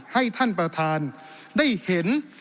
ให้ท่านประธานได้เห็น